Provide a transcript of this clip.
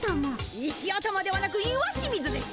石頭ではなく石清水です！